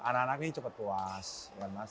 anak anak ini cukup puas